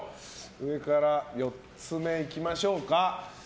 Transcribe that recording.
上から４つ目いきましょうか。